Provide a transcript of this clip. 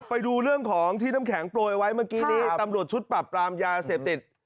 ไปดูเรื่องของที่น้ำแข็งโปรยไว้เมื่อกี้นี้ตำรวจชุดปรับปรามยาเสพติด